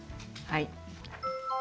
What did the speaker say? はい。